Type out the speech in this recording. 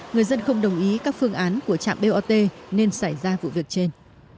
người dân không đồng ý các phương án của trạm bot nên xảy ra vụ việc trên